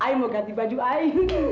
i mau ganti baju i